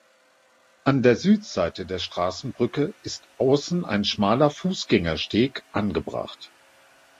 An der Südseite der Straßenbrücke ist außen ein schmaler Fußgängersteg angebracht.